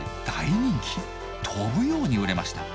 飛ぶように売れました。